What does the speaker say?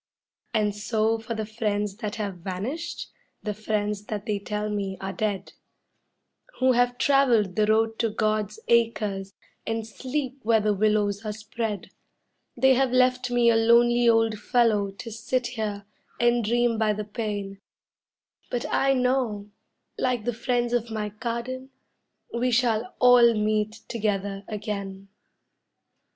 And so for the friends that have vanished, the friends that they tell me are dead, Who have traveled the road to God's Acres and sleep where the willows are spread; They have left me a lonely old fellow to sit here and dream by the pane, But I know, like the friends of my garden, we shall all meet together again.